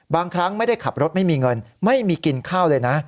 บางครั้งไม่ได้ขับรถไม่มีเงินไม่มีกินข้าวเลยนะ